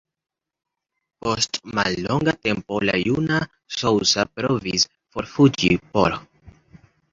Post mallonga tempo, la juna Sousa provis forfuĝi por.